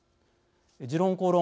「時論公論」